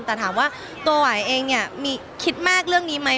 แต่ถามว่าตัวหวายเองเนี่ยมีคิดมากเรื่องนี้ไหม